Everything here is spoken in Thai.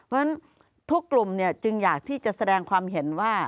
เพราะฉะนั้นทุกกลุ่มจึงอยากที่จะแสดงความเห็นว่า